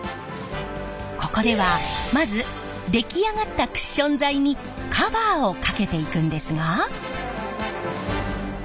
ここではまず出来上がったクッション材にカバーをかけていくんですが。